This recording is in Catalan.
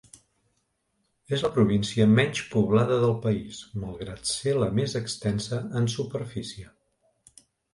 És la província menys poblada del país, malgrat ser la més extensa en superfície.